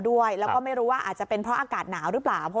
ด้วยแล้วก็ไม่รู้ว่าอาจจะเป็นเพราะอากาศหนาวหรือเปล่า